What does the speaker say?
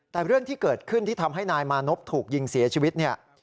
แต่เรื่องที่เกิดขึ้นที่ทำให้นายมานพถูกยิงเสียชีวิตเนี่ย